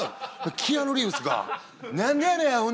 キアヌ・リーブスが「何でやねん？